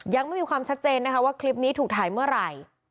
ยังไม่มีความชัดเจนนะคะว่าคลิปนี้ถูกถ่ายเมื่อไหร่